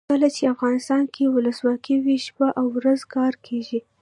کله چې افغانستان کې ولسواکي وي شپه او ورځ کار کیږي.